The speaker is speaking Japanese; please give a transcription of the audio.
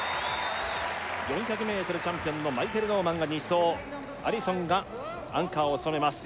４００ｍチャンピオンのマイケル・ノーマンが２走アリソンがアンカーを務めます